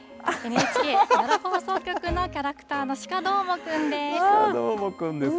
ＮＨＫ奈良放送局のキャラクターの鹿どーもくんです。